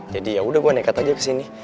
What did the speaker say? jadi yaudah gue nekat aja kesini